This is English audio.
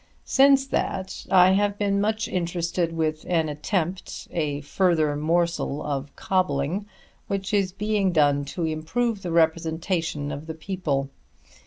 Since that I have been much interested with an attempt, a further morsel of cobbling, which is being done to improve the representation of the people.